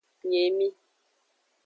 Nye emi.